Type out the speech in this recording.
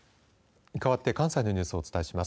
かわって関西のニュースをお伝えします。